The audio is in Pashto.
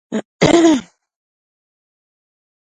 بيا د ساز له درېدو سره د يوه ټوپکوال مخې ته کښېناست.